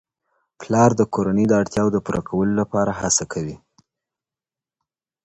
پلار د کورنۍ د اړتیاوو د پوره کولو لپاره هڅه کوي.